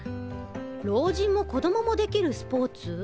老人も子供もできるスポーツ？